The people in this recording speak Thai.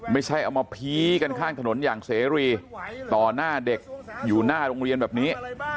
ไม่ใช่เอามาพี้กันข้างถนนอย่างเสรีต่อหน้าเด็กอยู่หน้าโรงเรียนแบบนี้